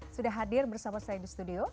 sudah hadir bersama saya di studio